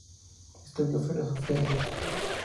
Estudió Filosofía y Letras.